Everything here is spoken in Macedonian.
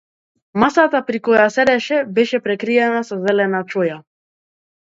Масата при која седеше беше прекриена со зелена чоја.